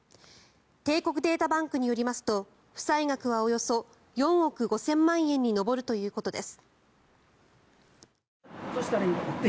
帝国データバンクによりますと負債額はおよそ４億５０００万円に上るということです。